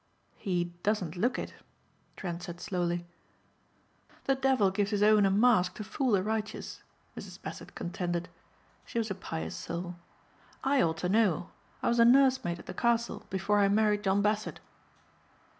"He doesn't look it," Trent said slowly. "The devil gives his own a mask to fool the righteous," Mrs. Bassett contended. She was a pious soul. "I ought to know. I was a nursemaid at the castle before I married John Bassett."